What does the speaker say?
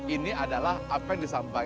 ini adalah amanu billahi wal yaumil akhir